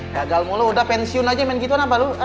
gagal mulu udah pensiun aja main gituan apa lo